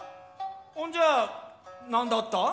ほんじゃあなんだった？